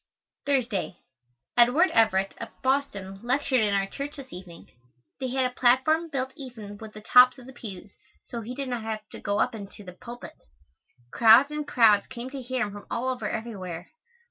Thursday. Edward Everett, of Boston, lectured in our church this evening. They had a platform built even with the tops of the pews, so he did not have to go up into the pulpit. Crowds and crowds came to hear him from all over everywhere.